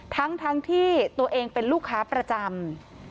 ทั้งที่ตัวเองเป็นลูกค้าประจำ